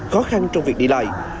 khó khăn trong việc đi lại